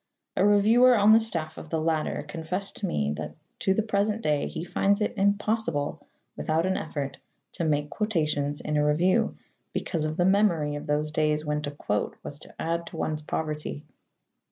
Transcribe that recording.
A reviewer on the staff of the latter confessed to me that to the present day he finds it impossible, without an effort, to make quotations in a review, because of the memory of those days when to quote was to add to one's poverty.